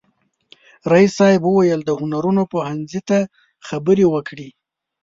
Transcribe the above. رئیس صاحب وویل د هنرونو پوهنځي ته خبرې وکړي.